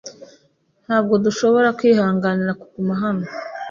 Ntabwo dushobora kwihanganira kuguma hano.